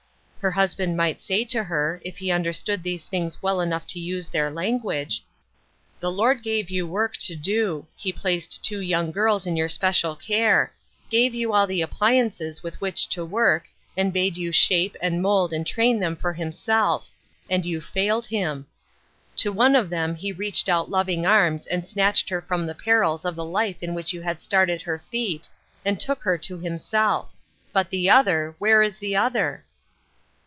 Her husband might say to her, if 308 A WAITING WORKER. he understood these things well enough to use their language : "The Lord gave you work to do ; he placed two young girls in your special care — gave you all the appliances with which to work, and bade you shape, and mould, and train them for Himself; and you failed Him! To one of them He reached out loving arms, and snatched her from the perils of the life in which you had started her feet, and took her to Himself ; but the other — where is the other